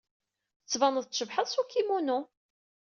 Tettbaneḍ-d tcebḥeḍ s ukimunu.